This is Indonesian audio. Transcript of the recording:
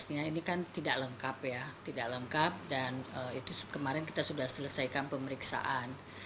artinya ini kan tidak lengkap ya tidak lengkap dan itu kemarin kita sudah selesaikan pemeriksaan